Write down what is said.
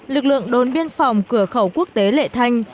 lực lượng đồn biên phòng cửa khẩu quốc tế lệ thanh